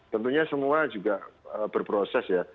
tentunya semua juga berproses ya